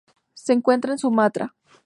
Se encuentran en Sumatra.